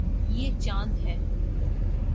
یے چاند ہے